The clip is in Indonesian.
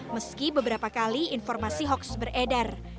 meski beberapa kali informasi hoaks beredar